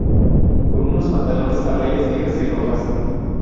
Con unos pantalones a rayas negras y rojas.